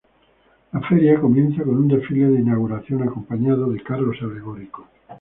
La feria comienza con un desfile de inauguración, acompañado de carros alegóricos.